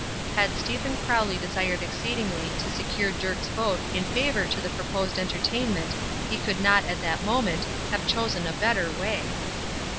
Had Stephen Crowley desired exceedingly to secure Dirk's vote in favor to the proposed entertainment he could not, at that moment, have chosen a better way.